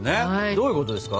どういうことですか？